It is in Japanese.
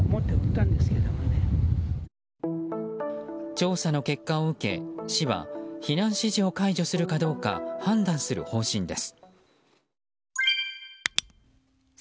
調査の結果を受け、市は避難指示を解除するかどうか判断する方針です。